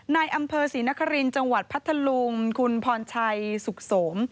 ในอำเภอศรีนครินทร์จังหวัดพัทธลุงคุณพรชัยสุขสม